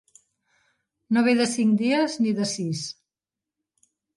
No ve de cinc dies ni de sis.